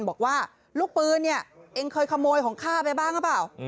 บอกว่าลูกปืนเนี่ยเองเคยขโมยของฆ่าไปบ้างหรือเปล่า